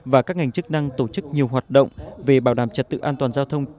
và các ngành chức năng tổ chức nhiều hoạt động về bảo đảm trật tự an toàn giao thông